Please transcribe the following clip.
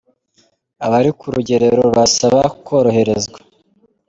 Abari ku rugerero barasaba koroherezwa